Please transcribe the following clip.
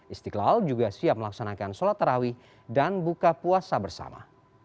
istiqlal juga siap melaksanakan sholat terawih dan buka puasa bersama